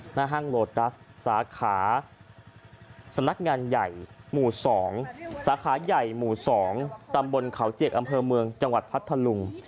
ห้างโลตัสสาขาสำนักงานใหญ่หมู่๒สาขาใหญ่หมู่๒ตำบลเขาเจกอำเภอเมืองจังหวัดพัทธลุง